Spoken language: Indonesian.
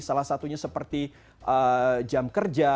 salah satunya seperti jam kerja